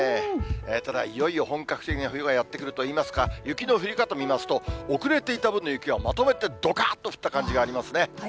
ただ、いよいよ本格的な冬がやって来るといいますか、雪の降り方を見ますと、遅れていた分の雪がまとめてどかんと降った感じがありますね。